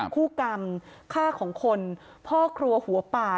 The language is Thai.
คู่กรรมฆ่าของคนพ่อครัวหัวป่า